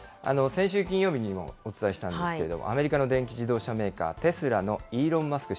先週金曜日にもお伝えしたんですけれども、アメリカの電気自動車メーカー、テスラのイーロン・マスク